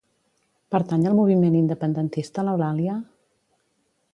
Pertany al moviment independentista l'Eulàlia?